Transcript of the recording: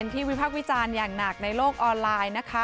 วิพักษ์วิจารณ์อย่างหนักในโลกออนไลน์นะคะ